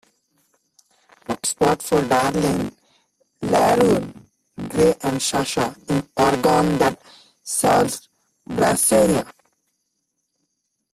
book spot for darlene, lauren gray and sasha in Oregon that serves brasserie